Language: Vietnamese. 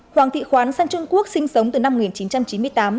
hoàng thị khoán sang trung quốc sinh sống từ năm một nghìn chín trăm chín mươi tám